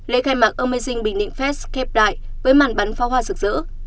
lễ khai mạc amazing bình định fest kép đại với màn bắn pha hoa rực rỡ